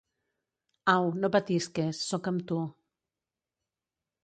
Au, no patisques; sóc amb tu.